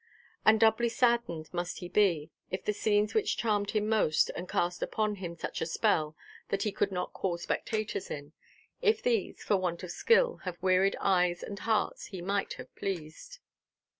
And doubly saddened must he be, if the scenes which charmed him most, and cast upon him such a spell that he could not call spectators in,—if these, for want of skill, have wearied eyes and hearts he might have pleased.